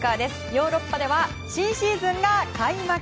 ヨーロッパでは新シーズンが開幕。